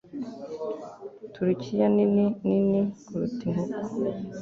Turukiya nini nini kuruta inkoko.